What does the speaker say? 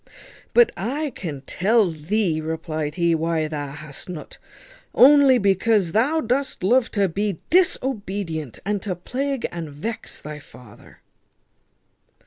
"But I can tell thee," replied he, "why hast nut; only because thou dost love to be disobedient, and to plague and vex thy father."